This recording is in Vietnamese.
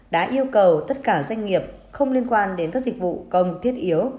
đã yêu cầu tất cả doanh nghiệp không liên quan đến các dịch vụ công thiết yếu